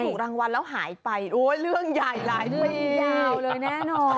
ถูกรางวัลแล้วหายไปโอ้ยเรื่องใหญ่หลายปียาวเลยแน่นอน